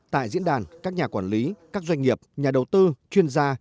tại diễn đàn các nhà quản lý các doanh nghiệp nhà đầu tư chuyên gia